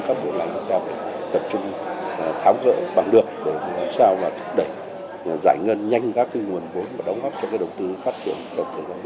chúng ta phải tập trung tháo gỡ bằng được để làm sao để giải ngân nhanh các nguồn vốn và đóng góp cho đồng tư phát triển